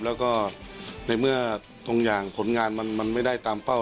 แล้วก็ในเมื่อตรงอย่างผลงานมันไม่ได้ตามเป้า